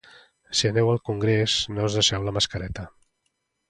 Si aneu al congrés no us deixeu la mascareta.